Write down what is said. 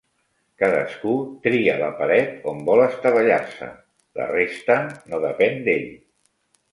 Cadascú tria la paret on vol estavellar-se, la resta no depèn d'ell.